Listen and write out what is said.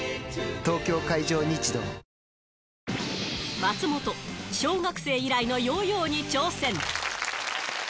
松本、小学生以来のヨーヨーに挑戦。